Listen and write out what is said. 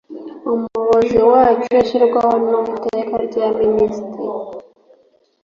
umuyobozi wacyo ushyirwaho n iteka rya minisitiri